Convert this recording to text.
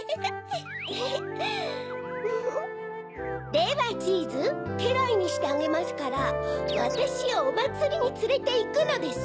ではチーズけらいにしてあげますからわたしをおまつりにつれていくのです。